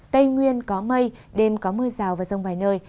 tây nguyên có mây đêm có mưa rào và rông vài nơi